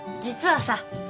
実はさ